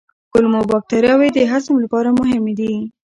کولمو بکتریاوې د هضم لپاره مهمې دي.